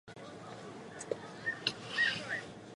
锡金蒲公英为菊科蒲公英属的植物。